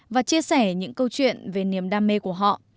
và chia sẻ những câu chuyện về niềm đam mê của họ